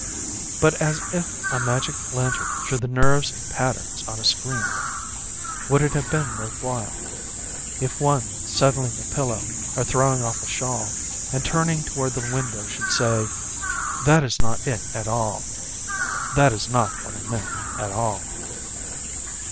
But as if a magic lantern threw the nerves in patterns on a screen: Would it have been worth while If one, settling a pillow or throwing off a shawl, And turning toward the window, should say: "That is not it at all, That is not what I meant, at all."